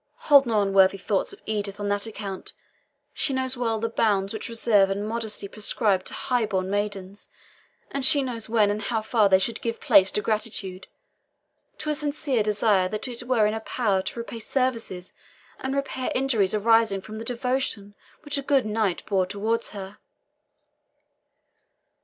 Hold no unworthy thoughts of Edith on that account. She knows well the bounds which reserve and modesty prescribe to high born maidens, and she knows when and how far they should give place to gratitude to a sincere desire that it were in her power to repay services and repair injuries arising from the devotion which a good knight bore towards her.